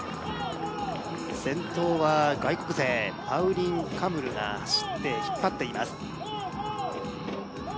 先頭は外国勢パウリン・カムルが走って引っ張っています